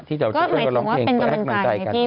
ที่จะคิดว่าเราเป็นกำลังใจกัน